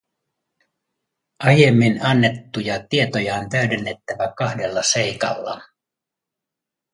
Aiemmin annettuja tietoja on täydennettävä kahdella seikalla.